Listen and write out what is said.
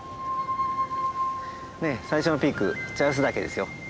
最初のピーク茶臼岳ですよ。